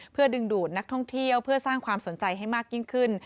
เพื่อดึงดูดนักท่องเที่ยวเพื่อสร้างความสนใจให้มากยิ่งขึ้น